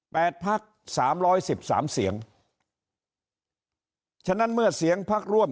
พักสามร้อยสิบสามเสียงฉะนั้นเมื่อเสียงพักร่วม